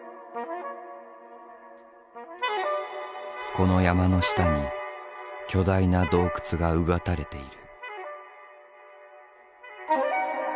この山の下に巨大な洞窟が穿たれている。